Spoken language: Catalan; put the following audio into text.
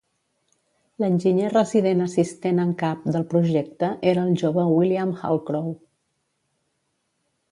L'enginyer resident assistent en cap del projecte era el jove William Halcrow.